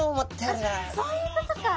あっそういうことか。